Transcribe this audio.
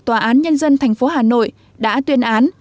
tòa án nhân dân thành phố hà nội đã tuyên án